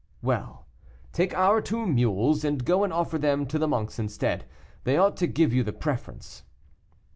"Well, take our two mules and go and offer them to the monks instead; they ought to give you the preference."